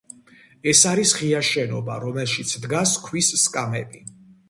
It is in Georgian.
ეს არის ღია შენობა, რომელშიც დგას ქვის სკამები.